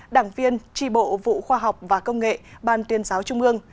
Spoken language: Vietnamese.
đảng viên tri bộ vụ khoa học và công nghệ ban tuyên giáo trung ương